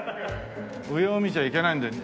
上を見ちゃいけないんだよ